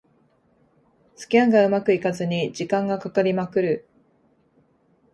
スキャンがうまくいかずに時間がかかりまくる